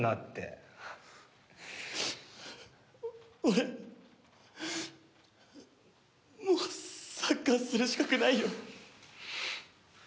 俺もうサッカーする資格ないよ。